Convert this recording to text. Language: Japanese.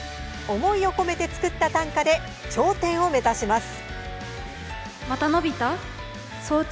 思いを込めて作った短歌で頂点を目指します。